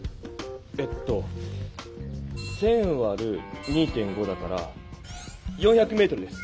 えっと１０００わる２．５だから４００メートルです。